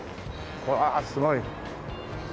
うわあすごい。